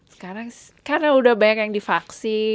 sekarang karena udah banyak yang divaksin